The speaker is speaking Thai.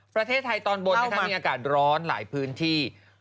ประเทศไทยตอนบนมีอากาศร้อนหลายพื้นที่